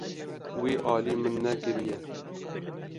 Wî alî min nekiriye.